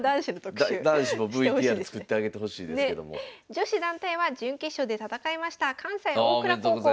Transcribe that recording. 女子団体は準決勝で戦いました関西大倉高校の連覇となりました。